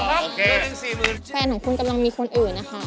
แฟนของครูกำลังมีคนอื่น